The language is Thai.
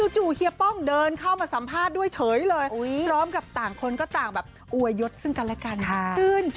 เฮียป้องเดินเข้ามาสัมภาษณ์ด้วยเฉยเลยพร้อมกับต่างคนก็ต่างแบบอวยยศซึ่งกันและกัน